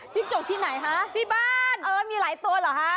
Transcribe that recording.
จกที่ไหนคะที่บ้านเออมีหลายตัวเหรอฮะ